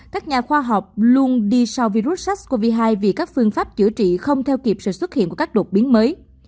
các nhà khoa học luôn đi sau virus sars cov hai vì các phương pháp chữa trị không theo kịp sự xuất hiện của các đột biến mới